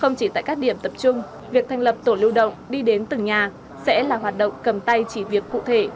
không chỉ tại các điểm tập trung việc thành lập tổ lưu động đi đến từng nhà sẽ là hoạt động cầm tay chỉ việc cụ thể